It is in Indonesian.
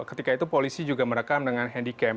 ketika itu polisi juga merekam dengan handycam